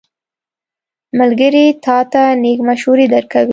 ملګری تا ته نېک مشورې درکوي.